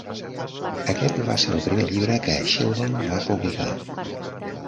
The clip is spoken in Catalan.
Aquest va ser el primer llibre que Sheldon va publicar.